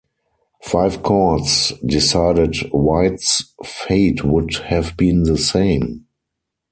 Five courts decided White's fate would have been the same.